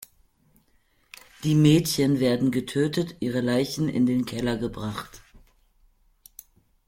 Die Mädchen werden getötet, ihre Leichen in den Keller gebracht.